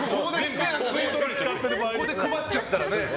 ここで配っちゃったらね。